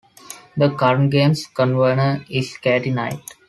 The current Games Convener is Katie Knight.